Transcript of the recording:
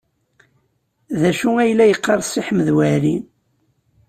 D acu ay la yeqqar Si Ḥmed Waɛli?